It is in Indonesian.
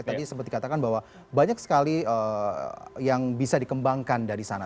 tadi sempat dikatakan bahwa banyak sekali yang bisa dikembangkan dari sana